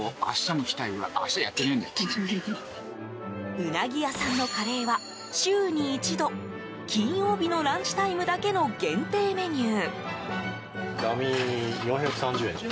うなぎ屋さんのカレーは週に一度金曜日のランチタイムだけの限定メニュー。